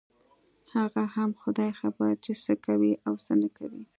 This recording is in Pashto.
هغه هم خداى خبر چې څه کوي او څه نه کوي.